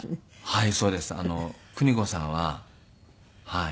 はい。